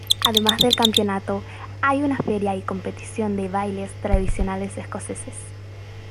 Además del campeonato hay una feria y una competición de bailes tradicionales escoceses.